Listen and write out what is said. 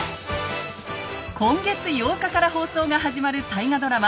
今月８日から放送が始まる大河ドラマ